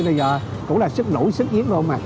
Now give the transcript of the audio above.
là cũng là sức lũ sức yếc luôn mà